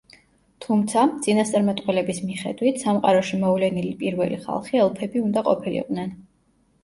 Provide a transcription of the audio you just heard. თუმცა, წინასწარმეტყველების მიხედვით, სამყაროში მოვლენილი პირველი ხალხი ელფები უნდა ყოფილიყვნენ.